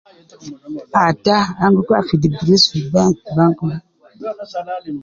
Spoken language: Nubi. Atta an gi kuwa fi di gurush fi bank maa.